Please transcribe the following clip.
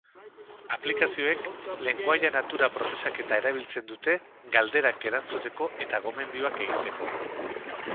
Aplikazioek, lengoaia-natura prozesaketa erabiltzen dute galderak erantzuteko eta gomendioak egiteko.